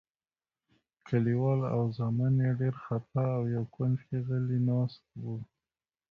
کلیوال او زامن یې ډېر خپه او یو کونج کې غلي ناست وو.